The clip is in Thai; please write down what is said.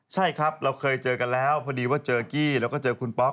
ใช่ครับเราเคยเจอกันแล้วพอดีว่าเจอกี้แล้วก็เจอคุณป๊อก